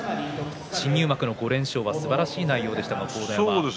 新入幕の５連勝すばらしい内容でした。